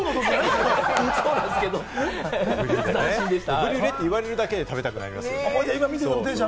ブリュレって言われるだけで食べたくなりますよね。